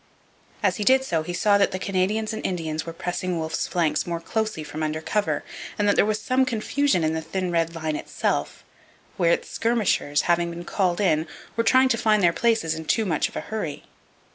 As he did so he saw that the Canadians and Indians were pressing Wolfe's flanks more closely from under cover and that there was some confusion in the thin red line itself, where its skirmishers, having been called in, were trying to find their places in too much of a hurry.